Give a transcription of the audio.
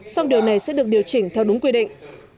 song điều này sẽ được điều chỉnh theo đúng quy định